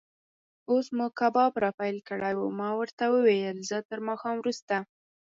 اوس مو کباب را پیل کړی و، ما ورته وویل: زه تر ماښام وروسته.